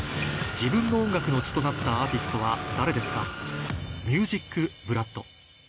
自分の音楽の血となったアーティストは誰ですか？